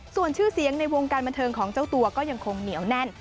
ส่วนชื่อเสียงในวงการบันเทิงของเจ้าตัวก็ยังคงเหนียวแน่น